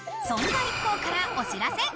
そんなＩＫＫＯからお知らせ。